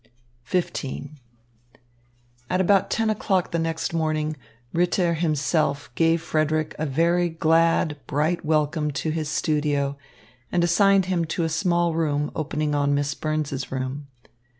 XV At about ten o'clock the next morning Ritter himself gave Frederick a very glad, bright welcome to his studio, and assigned to him a small room opening on Miss Burns's room.